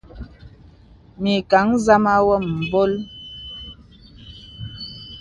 Mìkàŋ zàmā wōŋ mbòl.